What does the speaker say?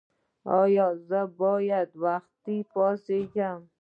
ایا زه باید وختي پاڅیږم؟